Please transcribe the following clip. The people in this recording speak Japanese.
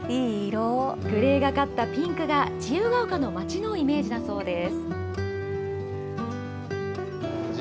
グレーがかったピンクが自由が丘の街のイメージだそうです。